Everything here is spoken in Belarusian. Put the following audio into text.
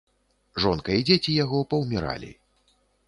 Жонка і дзеці яго паўміралі.